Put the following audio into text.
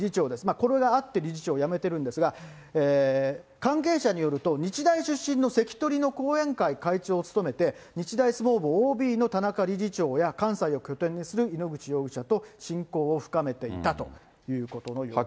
これがあって理事長を辞めているんですが、関係者によると、日大出身の関取の後援会会長を務めて、日大相撲部ＯＢの田中理事長や関西を拠点にする井ノ口容疑者と親交を深めていったということのようです。